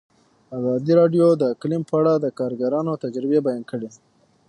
ازادي راډیو د اقلیم په اړه د کارګرانو تجربې بیان کړي.